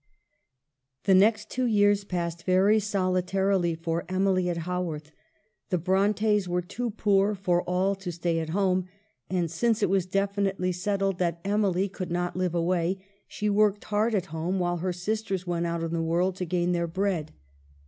The next two years passed very solitarily for Emily at Haworth ; the Brontes were too poor for all to stay at home, and since it was defi nitely settled that Emily could not live away, she worked hard at home while her sisters went out in the world to gain their bread.